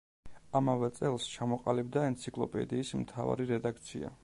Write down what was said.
ამავე წელს ჩამოყალიბდა ენციკლოპედიის მთავარი რედაქცია.